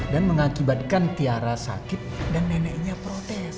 dan mengakibatkan tiara sakit dan neneknya protes